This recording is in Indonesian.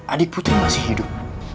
adi putri masih hidup